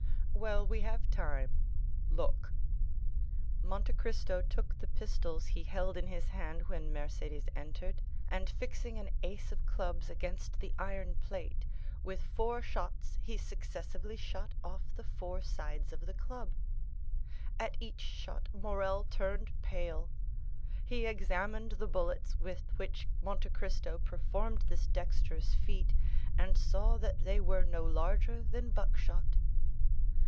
"Well, we have time; look." Monte Cristo took the pistols he held in his hand when Mercédès entered, and fixing an ace of clubs against the iron plate, with four shots he successively shot off the four sides of the club. At each shot Morrel turned pale. He examined the bullets with which Monte Cristo performed this dexterous feat, and saw that they were no larger than buckshot.